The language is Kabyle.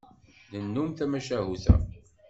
Nennum d tmacahut-a.